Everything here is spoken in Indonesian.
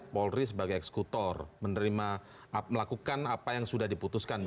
polri sebagai eksekutor melakukan apa yang sudah diputuskan